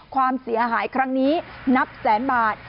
ความเสียหายครั้งนี้นับแสนบาท